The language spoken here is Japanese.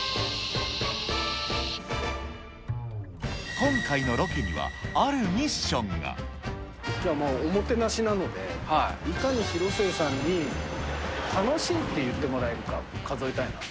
今回のロケには、あるミッシきょうはもう、おもてなしなので、いかに広末さんに楽しい！って言ってもらえるか、数えたいなと。